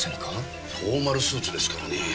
フォーマルスーツですからねえ。